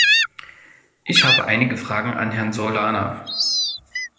Ich habe einige Fragen an Herrn Solana.